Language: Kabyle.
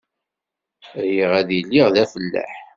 Riɣ ad iliɣ d afellaḥ.